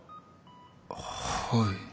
はい。